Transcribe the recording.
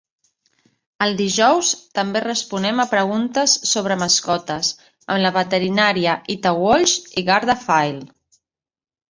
Els dijous també responem a preguntes sobre mascotes amb la veterinària Ita Walshe i Garda File.